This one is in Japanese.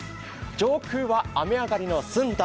上空は雨上がりのすんだ